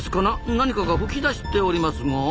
何かが噴き出しておりますが？